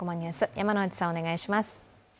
山内さん、お願いします。